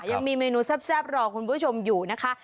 ยังมีเมนูแซ่บรอคุณผู้ชมอยู่นะคะ